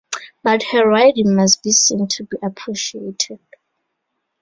But her riding must be seen to be appreciated.